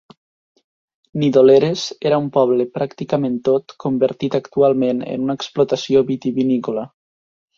Nidoleres era un poble pràcticament tot convertit actualment en una explotació vitivinícola.